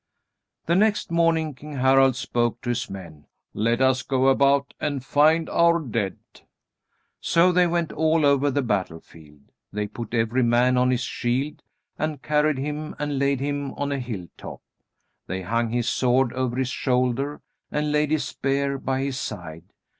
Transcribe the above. The next morning King Harald spoke to his men: "Let us go about and find our dead." [Illustration: "King Haki fell dead under 'Foes' fear'"] So they went over all the battle field. They put every man on his shield and carried him and laid him on a hill top. They hung his sword over his shoulder and laid his spear by his side.